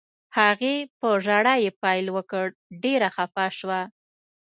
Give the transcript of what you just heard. هغې په ژړا یې پیل وکړ، ډېره خفه شوه.